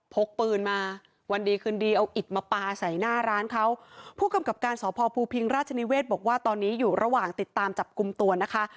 พกปืนมาวันดีคืนดีเอาอิดมาปลาใส่หน้าร้านเขาผู้กำกับการสพภูพิงราชนิเวศบอกว่าตอนนี้อยู่ระหว่างติดตามจับกลุ่มตัวนะคะ